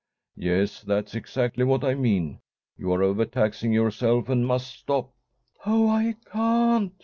"Yes, that's exactly what I mean. You are overtaxing yourself and must stop " "Oh, I can't!"